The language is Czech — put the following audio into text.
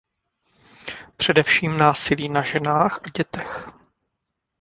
Především násilí na ženách a dětech.